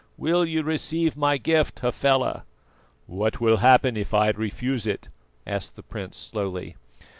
Will you receive my gift, Hafela?" "What will happen if I refuse it?" asked the prince slowly.